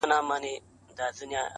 o ترخه وخوره، خو ترخه مه وايه.